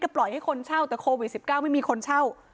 ปล่อยให้คนเช่าแต่โควิด๑๙ไม่มีคนเช่า